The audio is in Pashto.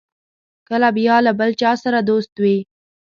کله بیا له بل چا سره دوست وي.